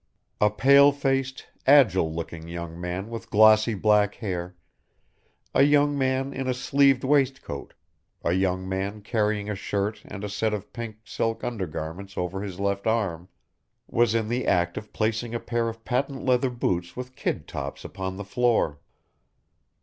A pale faced, agile looking young man with glossy black hair, a young man in a sleeved waistcoat, a young man carrying a shirt and set of pink silk undergarments over his left arm, was in the act of placing a pair of patent leather boots with kid tops upon the floor.